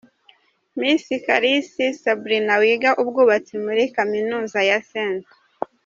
Miss Kalisi Sabrina wiga ubwubatsi muri Kaminuza ya St.